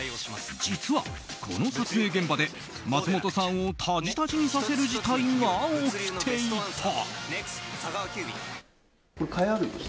実は、この撮影現場で松本さんをタジタジにさせる事態が起きていた。